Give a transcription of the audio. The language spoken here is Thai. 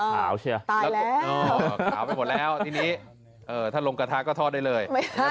ขาวเชียวขาวไปหมดแล้วทีนี้ถ้าลงกระทะก็ทอดได้เลย